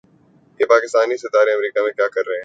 یہ پاکستانی ستارے امریکا میں کیا کررہے ہیں